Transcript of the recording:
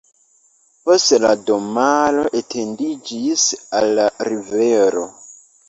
Poste la domaro etendiĝis al la rivero.